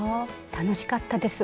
楽しかったです